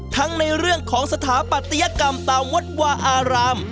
ทั้งในเรื่องของสถาปัตยกรรมตามวัดวาอาราม